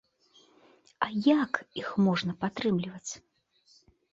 А як іх можна падтрымліваць?